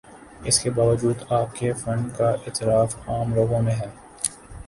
اس کے باوجود آپ کے فن کا اعتراف عام لوگوں میں ہے۔